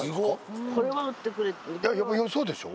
やっぱそうでしょ？